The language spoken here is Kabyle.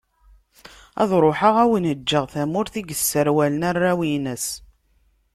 Ad ruḥeγ ad awen-ğğeγ tamurt i yesserwalen arraw_ines.